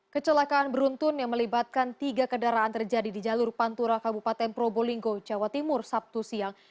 kecelakaan beruntun yang melibatkan tiga kendaraan terjadi di jalur pantura kabupaten probolinggo jawa timur sabtu siang